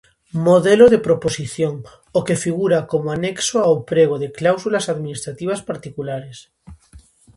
Modelo de proposición: o que figura como anexo ao prego de cláusulas administrativas particulares.